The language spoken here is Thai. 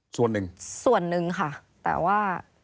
ส่วนหนึ่งส่วนหนึ่งค่ะแต่ว่า